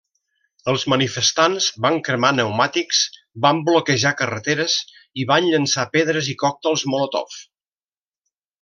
Els manifestants van cremar pneumàtics, van bloquejar carreteres i van llançar pedres i còctels Molotov.